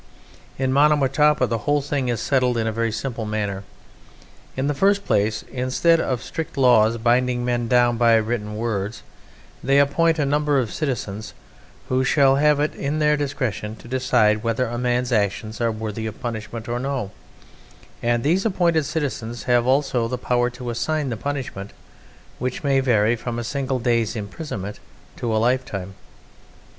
In Monomotapa the whole thing is settled in a very simple manner: in the first place, instead of strict laws binding men down by written words, they appoint a number of citizens who shall have it in their discretion to decide whether a man's actions are worthy of punishment or no; and these appointed citizens have also the power to assign the punishment, which may vary from a single day's imprisonment to a lifetime.